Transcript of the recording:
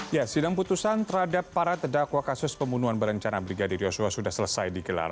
ya sidang putusan terhadap para terdakwa kasus pembunuhan berencana brigadir yosua sudah selesai digelar